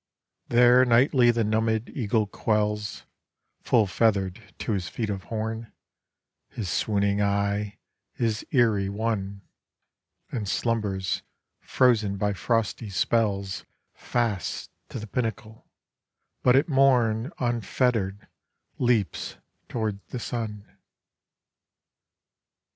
There nightly the numbèd eagle quells (Full feather'd to his feet of horn) His swooning eye, his eyrie won, And slumbers, frozen by frosty spells Fast to the pinnacle; but at Morn Unfetter'd leaps toward the Sun.